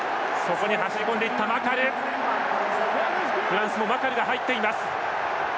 フランスもマカルが入っています。